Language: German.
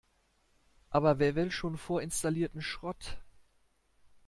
Aber wer will schon vorinstallierten Schrott?